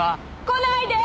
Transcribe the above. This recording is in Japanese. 来ないで！